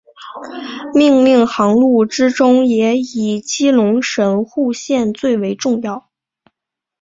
命令航路之中也以基隆神户线最为重要。